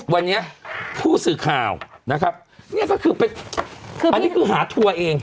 วันนี้ผู้สื่อข่าวนะครับนี่ก็คือเป็นอันนี้คือหาทัวร์เอง